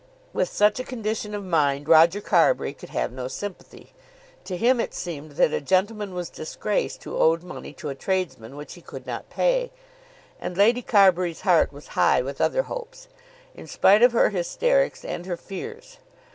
With such a condition of mind Roger Carbury could have no sympathy. To him it seemed that a gentleman was disgraced who owed money to a tradesman which he could not pay. And Lady Carbury's heart was high with other hopes, in spite of her hysterics and her fears.